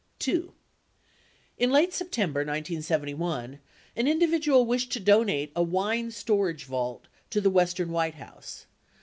44 2. In late September 1971, an individual wished to donate a wine storage vault to the Western White House.